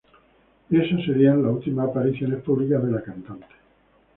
Esas serían las últimas apariciones públicas de la cantante.